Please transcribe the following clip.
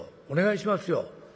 お願いしますよ。